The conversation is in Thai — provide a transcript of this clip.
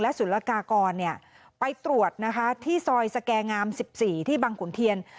ศูนย์ละกากรไปตรวจนะคะที่ซอยสแก่งาม๑๔ที่บังขุนเทียน